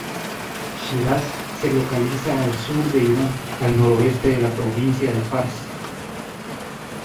Shiraz se localiza al sur de Irán, al noroeste de la provincia de Fars.